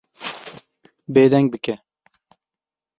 Bêdeng bike.